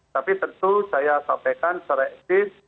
tapi tentu saya sampaikan secara eksis